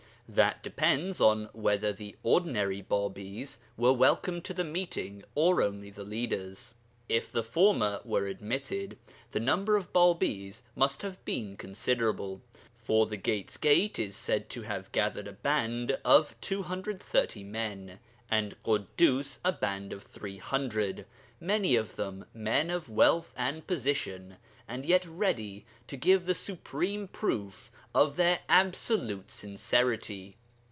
That depends on whether the ordinary Bābīs were welcomed to the Meeting or only the leaders. If the former were admitted, the number of Bābīs must have been considerable, for the 'Gate's Gate' is said to have gathered a band of 230 men, and Ḳuddus a band of 300, many of them men of wealth and position, and yet ready to give the supreme proof of their absolute sincerity.